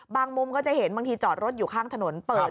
มุมก็จะเห็นบางทีจอดรถอยู่ข้างถนนเปิด